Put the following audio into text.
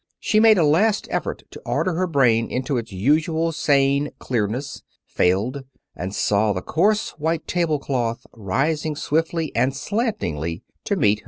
She made a last effort to order her brain into its usual sane clearness, failed, and saw the coarse white table cloth rising swiftly and slantingly to meet her head.